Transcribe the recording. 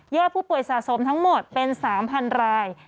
ผู้ป่วยสะสมทั้งหมดเป็น๓๐๐ราย